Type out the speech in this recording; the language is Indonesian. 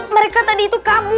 mereka tadi itu kabur